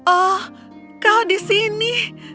oh kau di sini